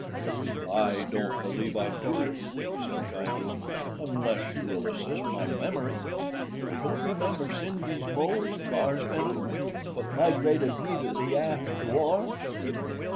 "I don't believe I do," he said kindly—"unless you will assist my memory." "Don't you 'member Cindy's Mose, Mars' Pendleton, what 'migrated 'mediately after de war?"